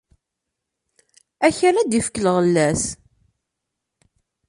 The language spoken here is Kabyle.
Akal ad d-ifk lɣella-s.